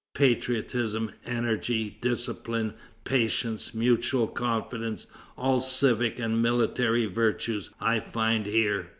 Patriotism, energy, discipline, patience, mutual confidence, all civic and military virtues, I find here.